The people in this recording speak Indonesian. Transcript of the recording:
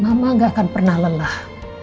mama gak akan pernah lelah